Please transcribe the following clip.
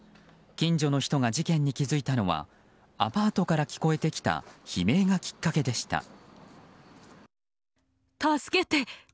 近所の人が事件に気付いたのはアパートから聞こえてきた悲鳴がきっかけでした。